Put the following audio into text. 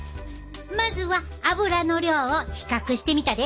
まずは脂の量を比較してみたで。